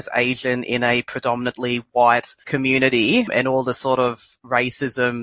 tapi ketika saya mengatakan bahwa saya juga berasal dari negara aborigen